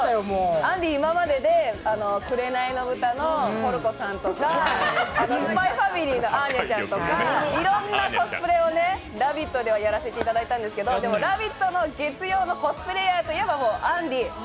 あんり、今までで「紅の豚」のポルコさんとか「ＳＰＹ×ＦＡＭＩＬＹ」のアーニャちゃんとか、いろんなコスプレを「ラヴィット！」ではやらせていただいたんですけど、でも「ラヴィット！」の月曜のコスプレーヤーといえば、あんり。